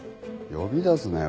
呼び出すなよ。